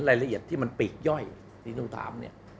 รายละเอียดที่มันปีกย่อยที่ต้องถามเนี่ย